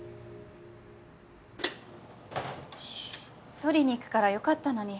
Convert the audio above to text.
取りに行くからよかったのに。